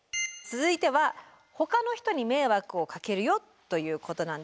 続いては「他の人に迷惑かけるよ」ということなんです。